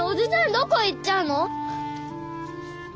どこ行っちゃうの！？